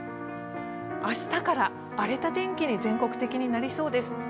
明日から荒れた天気に全国的になりそうです。